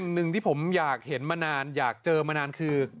หนึ่งที่ผมอยากเห็นมานานอยากเจอมานานคือ